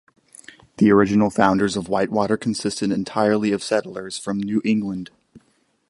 The original founders of Whitewater consisted entirely of settlers from New England.